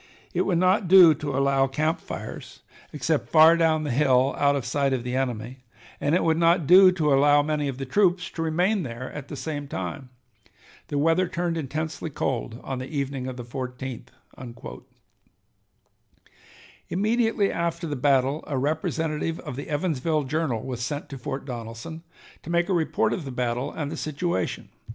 It would not do to allow camp fires except far down the hill out of sight of the enemy, and it would not do to allow many of the troops to remain there at the same time. The weather turned intensely cold on the evening of the 14th." Immediately after the battle a representative of the "Evansville Journal" was sent to Fort Donelson to make a report of the battle and the situation.